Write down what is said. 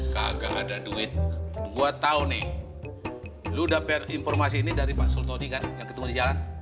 kagak ada duit gua tahu nih lu udah per informasi ini dari pak sultodi kan yang ketemu di jalan